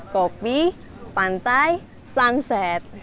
kopi pantai sunset